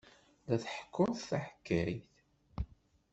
La d-ḥekkuɣ taḥkayt.